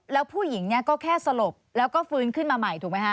แล้วผู้หญิงเนี่ยก็แค่สลบแล้วก็ฟื้นขึ้นมาใหม่ถูกไหมฮะ